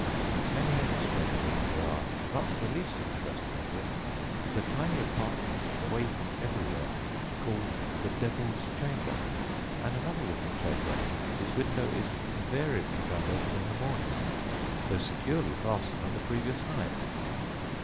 Many other strange rooms there are, not the least interesting of which is a tiny apartment away from everywhere called "the Devil's chamber," and another little chamber whose window is _invariably found open in the morning, though securely fastened on the previous night!